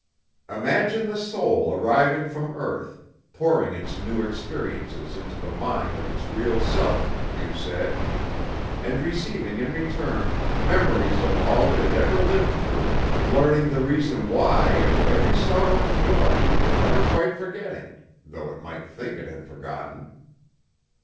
'Imagine the soul arriving from earth, pouring its new experiences into the mind of its Real Self,' you said, 'and receiving in return memories of all it had ever lived through, learning the reason why of every sorrow and joy, and never quite forgetting, though it might think it had forgotten.'